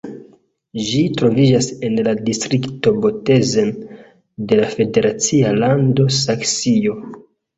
Ĝi troviĝas en la distrikto Bautzen de la federacia lando Saksio.